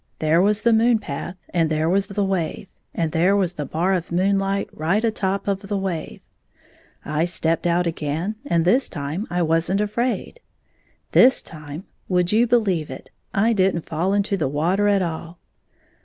There was the moon path, and there was the wave, and there was the bar of moonhght right a top of the wave. I stepped out again, and this time I was n't afraid. This time, would you beUeve it, I did n't fall into the water at all.